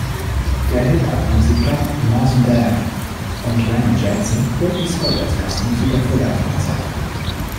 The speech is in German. Der Hip-Hop-Musiker Mos Def und Randy Jackson holten Scott als Gastmusiker für Live-Konzerte.